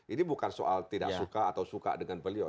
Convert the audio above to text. ini bukan soal tidak suka atau suka dengan beliau